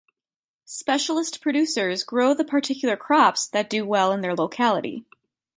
Specialist producers grow the particular crops that do well in their locality.